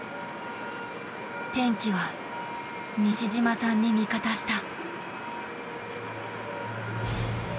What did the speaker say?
天気は西島さんに味方した。